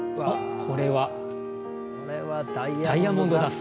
これはダイヤモンドダスト。